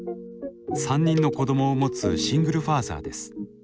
３人の子どもを持つシングルファーザーです。